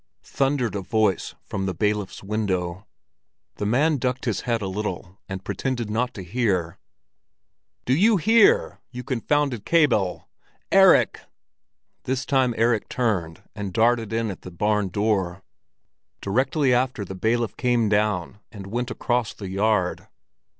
thundered a voice from the bailiff's window. The man ducked his head a little and pretended not to hear. "Do you hear, you confounded Kabyle! Erik!" This time Erik turned and darted in at a barn door. Directly after the bailiff came down and went across the yard.